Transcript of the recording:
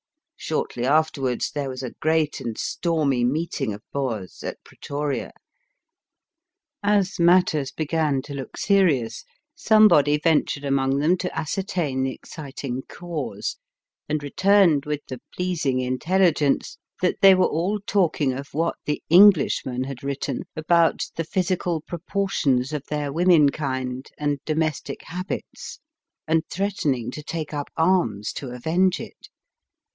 Shortly afterwards, there was a great and stormy meeting of Boers at Pretoria. As matters began to look serious, somebody ventured among them to ascertain the exciting cause, and returned with the pleasing intelligence that they were all talking of what the H. RIDER HAGGARD 137 Englishman had written about the physical proportions of their womenkind and domestic habits, and threatening to take up arms to avenge it.